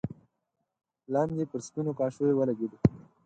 لاندې پر سپينو کاشيو ولګېده.